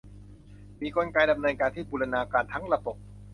มีกลไกดำเนินการที่บูรณาการทั้งระบบ